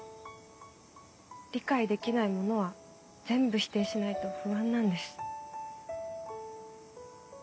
理解できないものは全部否定しないと不安なんです。